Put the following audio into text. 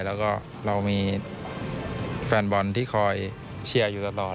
แล้วก็เรามีแฟนบอลที่คอยเชียร์อยู่ตลอด